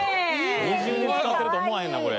２０年使ってると思わへんなこれ。